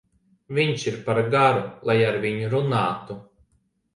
Viņš ir par garu, lai ar viņu runātu.